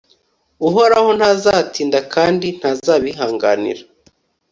uhoraho ntazatinda kandi ntazabihanganira